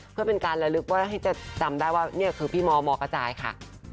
เพื่อเป็นการระลึกว่าให้จะจำได้ว่านี่คือพี่มมกระจายค่ะ